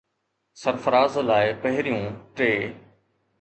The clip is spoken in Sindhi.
سرفراز لاءِ پهريون ٽي